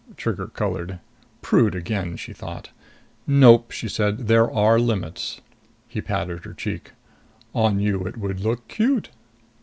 Trigger colored. Prude again, she thought. "Nope," she said. "There are limits." He patted her cheek. "On you it would look cute."